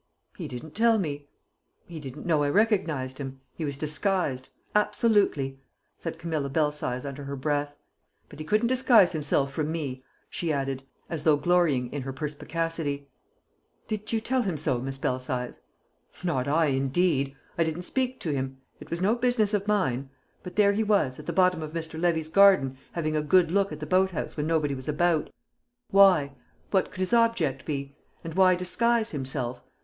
"He didn't tell me." "He didn't know I recognised him; he was disguised absolutely!" said Camilla Belsize under her breath. "But he couldn't disguise himself from me," she added as though glorying in her perspicacity. "Did you tell him so, Miss Belsize?" "Not I, indeed! I didn't speak to him; it was no business of mine. But there he was, at the bottom of Mr. Levy's garden, having a good look at the boathouse when nobody was about. Why? What could his object be? And why disguise himself?